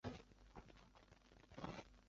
该巫金以流经其境内的白沙罗河命名。